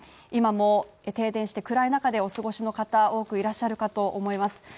今も停電して暗い中でお過ごしの方多くいらっしゃるかと思います